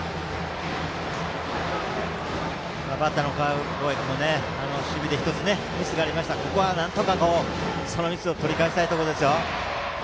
バッターの川越君も守備で１つミスがあったのでここはなんとかそのミスを取り返したいところ。